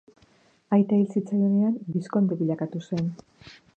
Aita hil zitzaionean, bizkonde bilakatu zen.